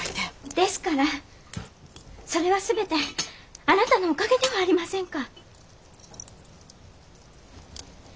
ですからそれはすべてあなたのおかげではありませんか。